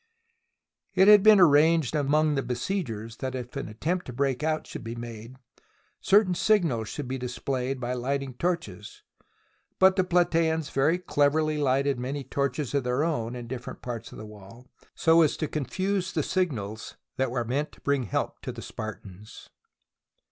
It had been arranged among the besiegers that if an attempt to break out should be made, certain signals should be displayed by lighting torches ; but the Platgeans very cleverly lighted many torches of their own in different parts of the wall so as to con fuse the signals that were meant to bring help to the Spartans.